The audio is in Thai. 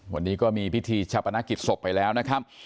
วันนี้ก็มีพิธีชาปนกิจศพไปแล้วนะครับ